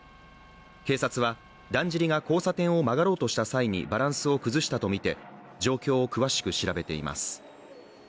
警察は、だんじりが交差点を曲がろうした際にバランスを崩したとみて状況を詳しく調べています。